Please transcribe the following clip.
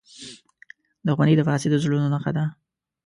• دښمني د فاسدو زړونو نښه ده.